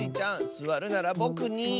すわるならぼくに。